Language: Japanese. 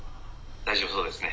「大丈夫そうですね。